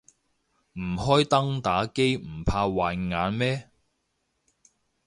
唔開燈打機唔怕壞眼咩